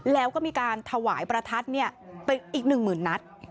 แล้วก็มีการถวายประทัดเนี่ยไปอีกหนึ่งหมื่นนัด